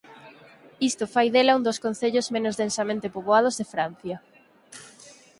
Isto fai dela un dos concellos menos densamente poboados de Francia.